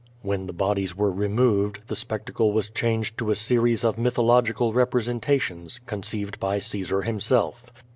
When the bodies were removed, the spectacle was changed to a series of mythological representations, conceived by Caesar himself.